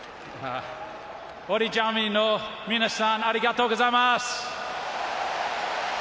オレンジアーミーの皆さん、ありがとうございます。